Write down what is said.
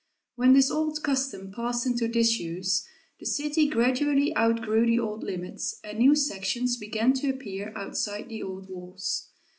When this old custom passed into disuse, the city gradually outgrew the old limits and new sections began to appear outside the old walls.